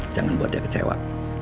jangan buat dia kecewa